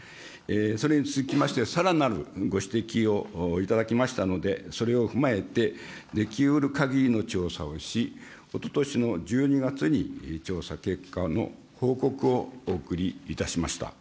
それにつきまして、さらなるご指摘を頂きましたので、それを踏まえて、できうるかぎりの調査をし、おととしの１２月に調査結果の報告をお送りいたしました。